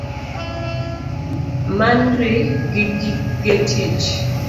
Manri gi gige tich